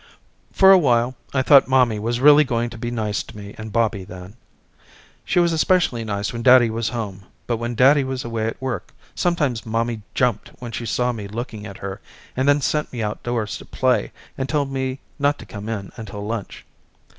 For a while I thought mommy was really going to be nice to me and Bobby then. She was especially nice when daddy was home but when daddy was away at work sometimes mommy jumped when she saw me looking at her and then sent me outdoors to play and told me not to come in until lunch.